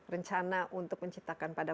rencana untuk menciptakan pada